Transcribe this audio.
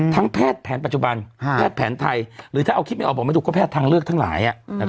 แพทย์แผนปัจจุบันแพทย์แผนไทยหรือถ้าเอาคิดไม่ออกบอกไม่ถูกก็แพทย์ทางเลือกทั้งหลาย